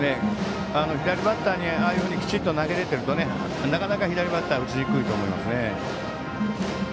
左バッターにああいうふうにきちんと投げられているとなかなか左バッターは打ちにくいと思いますね。